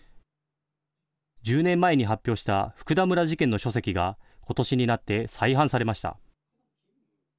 １０年前に発表した福田村事件の書籍がことしになって再版されました。